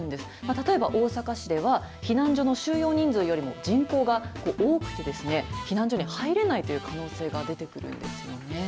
例えば、大阪市では避難所の収容人数よりも、人口が多くて、避難所に入れないという可能性が出てくるんですよね。